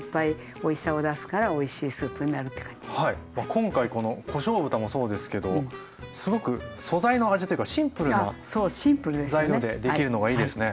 今回このこしょう豚もそうですけどすごく素材の味というかシンプルな材料でできるのがいいですね。